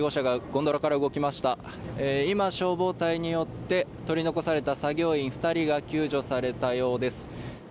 今、消防隊によって取り残された作業員２人が救助されたようです。